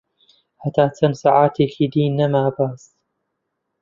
هەتا چەن ساعەتێکی دی نەما باس